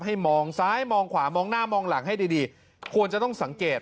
ให้มองซ้ายมองขวามองหน้ามองหลังให้ดีดีควรจะต้องสังเกต